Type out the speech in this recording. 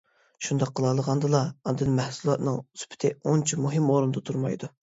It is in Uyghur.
شۇنداق قىلالىغاندىلا، ئاندىن مەھسۇلاتنىڭ سۈپىتى ئۇنچە مۇھىم ئورۇندا تۇرمايدۇ.